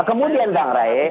kemudian bang rey